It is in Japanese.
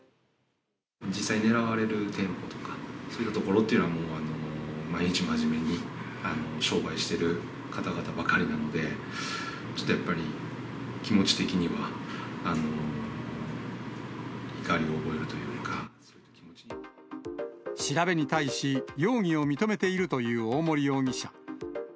実際狙われる店舗とか、そういったところっていうのは、もう毎日真面目に商売してる方々ばかりなので、ちょっとやっぱり、気持ち的には、調べに対し、容疑を認めているという大森容疑者。